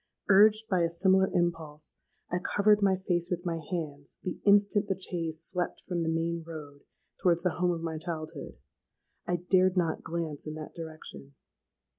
Urged by a similar impulse, I covered my face with my hands the instant the chaise swept from the main road towards the home of my childhood. I dared not glance in that direction!